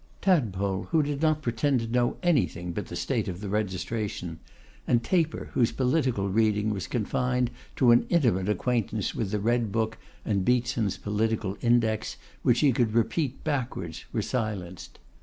Tadpole, who did not pretend to know anything but the state of the registration, and Taper, whose political reading was confined to an intimate acquaintance with the Red Book and Beatson's Political Index, which he could repeat backwards, were silenced.